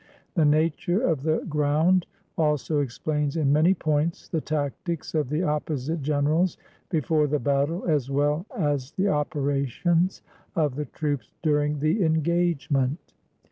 The nature of the ground also explains in many points the tactics of the opposite generals before the battle, as well as the opera tions of the troops during the engagement.